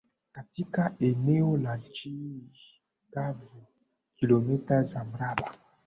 Katika eneo la nchi kavu Kilomita za mraba